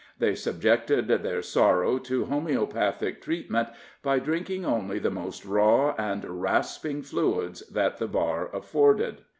They subjected their sorrow to homeopathic treatment by drinking only the most raw and rasping fluids that the bar afforded.